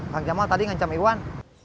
kang jamal tadi ngancam iwan